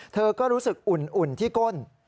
เธอก็รู้สึกอุ่นที่ก้น